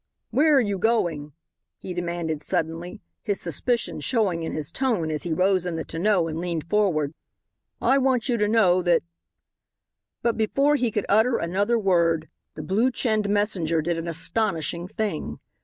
"Where are you going?" he demanded suddenly, his suspicion showing in his tone as he rose in the tonneau and leaned forward. "I want you to know that " But before he could utter another word the blue chinned messenger did an astonishing thing.